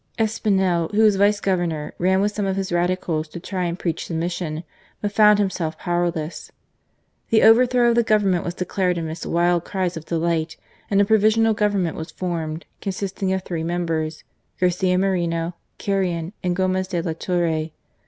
Espinel, who was Vice Governor, ran with some of his Radicals to try and preach submission, but found himself powerless. The overthrow of the Govern ment was declared amidst wild cries of delight, and a provisional Government was formed consisting of three members, Garcia Moreno, Carrion, and Gomez de la Torre.